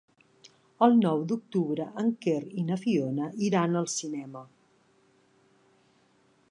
El nou d'octubre en Quer i na Fiona iran al cinema.